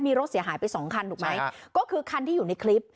มีรถเสียหายไปสองคันถูกไหมก็คือคันที่อยู่ในคลิป